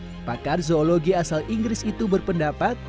pakar zoologi asal inggris itu berpendapat